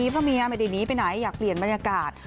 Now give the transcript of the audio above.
ไปดินี้ไปไหนอยากเปลี่ยนบรรยากาศ